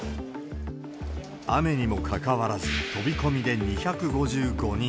雨にもかかわらず、飛び込みで２５５人。